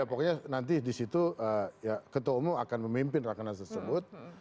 ya pokoknya nanti di situ ketua umum akan memimpin rakanan tersebut